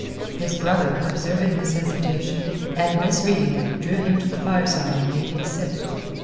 His brother observing this hesitation, and misreading it drew him to the fireside and made him sit.